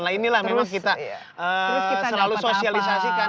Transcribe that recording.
nah inilah memang kita selalu sosialisasikan